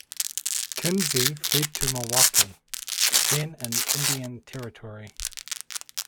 Kinzie fled to Milwaukee, then in Indian territory.